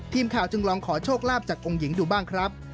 ทีมข่าวจึงลองขอโชคลาภจากองค์หญิงดูบ้างครับ